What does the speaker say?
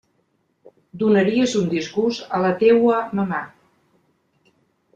Donaries un disgust a la teua mamà.